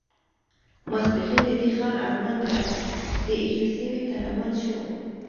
ماسپښین د دې ښار اړوند د اي جو سیمې ته روان شوو.